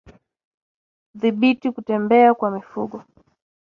Dhibiti kutembea kwa mifugo